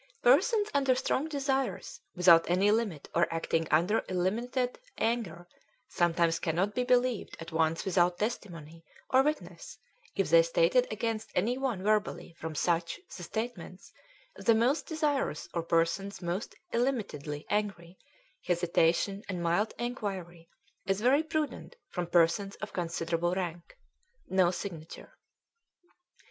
"Persons under strong desires without any limit or acting under illimited anger sometimes cannot be believed at once without testimony or witness if they stated against any one verbally from such the statements of the most desirous or persons most illimitedly angry hesitation and mild enquiry is very prudent from persons of considerable rank." _No signature.